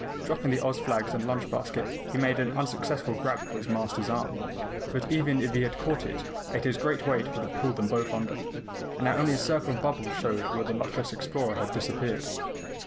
Dropping the Oz flags and lunch basket, he made an unsuccessful grab for his Master's arm. But even if he had caught it, Ato's great weight would have pulled them both under, and now only a circle of bubbles showed where the luckless explorer had disappeared.